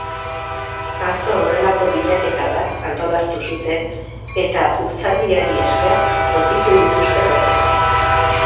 Atzo horrelako bilaketa bat antolatu zuten eta urtzaldiari esker aurkitu dituzte gorpuak.